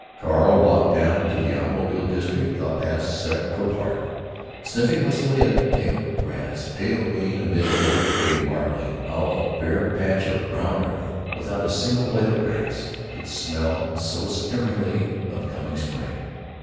Carl walked down to the automobile district past Central Park, sniffing wistfully at the damp grass, pale green amid old gray; marveling how a bare patch of brown earth, without a single blade of grass, could smell so stirringly of coming spring.